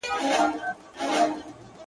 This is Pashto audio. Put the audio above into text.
• د نيمو شپو په غېږ كي يې د سترگو ډېوې مړې دي.